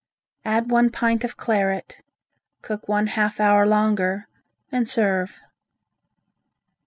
Add one pint of claret, cook one half hour longer and serve.